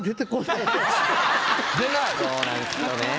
そうなんですよね。